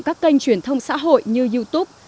các kênh truyền thông xã hội như youtube